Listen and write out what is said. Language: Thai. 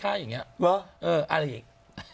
ออันอื่น